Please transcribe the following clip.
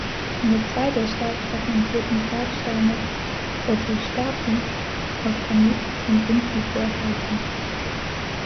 Nur zwei der stark fragmentierten Tragsteine ("Orthostaten") aus Granit sind in situ erhalten.